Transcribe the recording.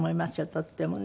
とってもね。